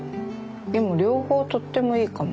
でも両方とってもいいかも。